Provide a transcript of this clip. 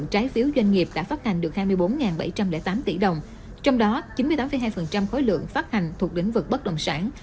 trái phiếu doanh nghiệp đã phát hành được hai mươi bốn bảy trăm linh tám tỷ đồng trong đó chín mươi tám hai khối lượng phát hành thuộc lĩnh vực bất động sản